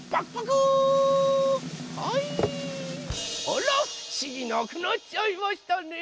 あらふしぎなくなっちゃいましたね。